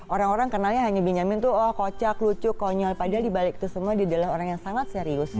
orang orang kenalnya hanya benyamin tuh oh kocak lucu konyol padahal dibalik itu semua di dalam orang yang sangat serius